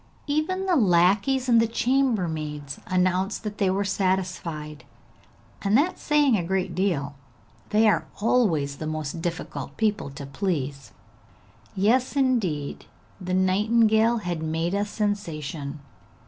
Even the lackeys and the chambermaids announced that they were satisfied, and that is saying a great deal; they are always the most difficult people to please. Yes, indeed, the nightingale had made a sensation.